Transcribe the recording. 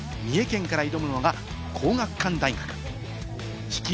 さらに、三重県から挑むのが皇學館大学。